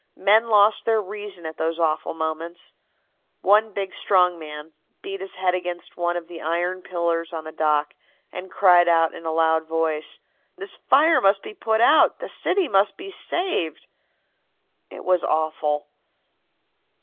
Men lost their reason at those awful moments. One big, strong man, beat his head against one of the iron pillars on the dock, and cried out in a loud voice: 'This fire must be put out! The city must be saved!' It was awful."